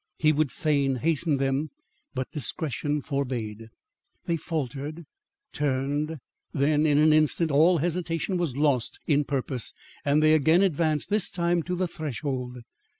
He would fain hasten them, but discretion forbade. They faltered, turned, then, in an instant, all hesitation was lost in purpose and they again advanced this time to the threshold.